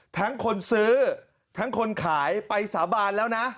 ทั้งคนซื้อทั้งคนขายไปสาบานแล้วนะ